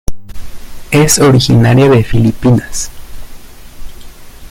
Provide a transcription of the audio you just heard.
Es originaria de Filipinas.